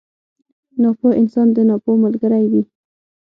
ناپوه انسان د ناپوه ملګری وي.